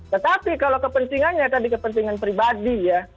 tetapi kalau kepentingannya tadi kepentingan pribadi ya